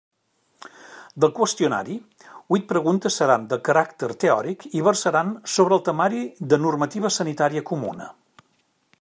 Del qüestionari, huit preguntes seran de caràcter teòric i versaran sobre el temari de normativa sanitària comuna.